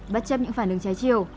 bất chấp những phản ứng trái chiều